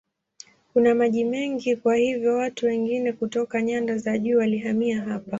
Kuna maji mengi kwa hiyo watu wengi kutoka nyanda za juu walihamia hapa.